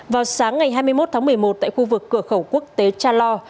vào sáng ngày hai mươi một tháng một mươi một tại khu vực cửa khẩu quốc tế chalor